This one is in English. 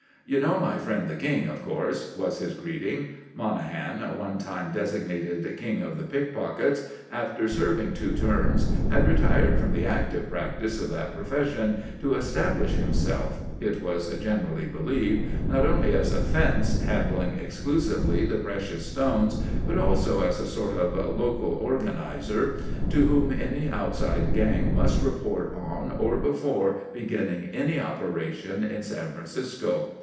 "You know my friend the King, of course?" was his greeting. Monahan, one time designated King of the Pick pockets, after serving two terms, had retired from the active practice of that profession to establish himself, it was generally believed, not only as a "fence," handling exclusively the precious stones, but also as a sort of local organiser, to whom any outside gang must report on or before beginning operations in San Francisco.